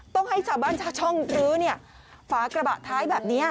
ต้องให้จับบ้านช่องหรือฝากระบะท้ายแบบนี้